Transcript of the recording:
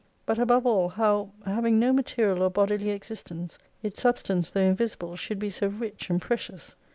But above all how, having no material or bodily existence, its substance, though invisible, should be so rich and precious.